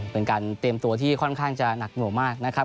เป็นการเตรียมตัวที่ค่อนข้างจะหนักหน่วงมากนะครับ